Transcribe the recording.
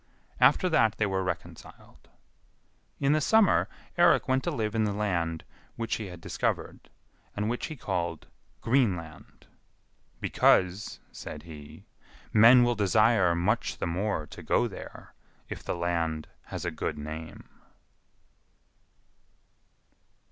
After that they were reconciled. In the summer Eirik went to live in the land which he had discovered, and which he called Greenland, "Because," said he, "men will desire much the more to go there if the land has a good name."